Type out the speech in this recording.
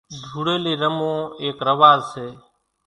ڌوڙِيلي رموون ايڪ رواز سي